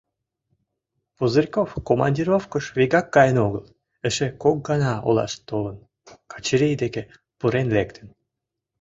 Пузырьков командировкыш вигак каен огыл, эше кок гана олаш толын, Качырий деке пурен лектын.